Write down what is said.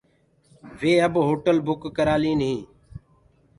وي اب هوٽل بُڪ ڪرآلين هين۔